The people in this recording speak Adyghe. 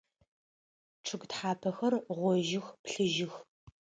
Чъыг тхьапэхэр гъожьых, плъыжьых.